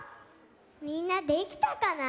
みんなできたかな？